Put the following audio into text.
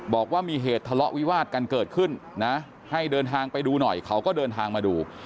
บอกว่ามีเหตุทะเลาะวิวาดกันเกิดขึ้นนะให้เดินทางไปดูหน่อยเขาก็เดินทางมาดู